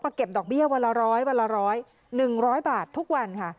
มาเก็บดอกเบี้ยวัลละร้อย๑๐๐บาททุกวันค่ะ